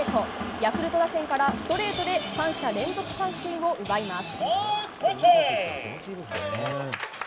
ヤクルト打線からストレートで３者連続三振を奪います。